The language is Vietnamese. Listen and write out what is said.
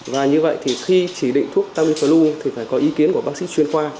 và như vậy thì khi chỉ định thuốc tamiflu thì phải có ý kiến của bác sĩ chuyên khoa